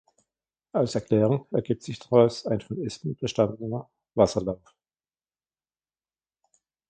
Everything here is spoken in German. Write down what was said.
Als Erklärung ergibt sich daraus ein von Espen bestandener Wasserlauf.